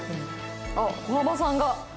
あっ小浜さんが。